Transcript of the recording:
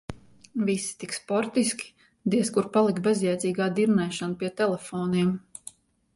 Visi tik sportiski, diez kur palika bezjēdzīgā dirnēšana pie telefoniem.